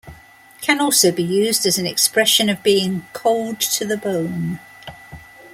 Can also be used as an expression of being "cold to the bone".